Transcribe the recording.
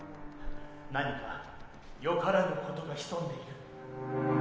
何かよからぬことが潜んでいる。